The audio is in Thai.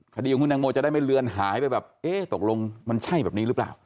คดีของคุณตังโมจะได้ไม่เลือนหายไปแบบเอ๊ะตกลงมันใช่แบบนี้หรือเปล่า